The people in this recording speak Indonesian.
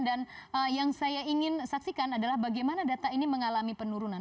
dan yang saya ingin saksikan adalah bagaimana data ini mengalami penurunan